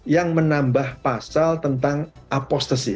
yang menambah pasal tentang apostensi